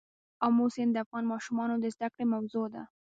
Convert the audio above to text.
آمو سیند د افغان ماشومانو د زده کړې موضوع ده.